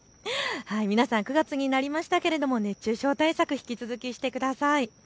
皆さん９月になりましたが熱中症対策、引き続きしてください。